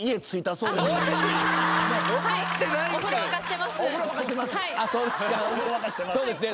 そうですね。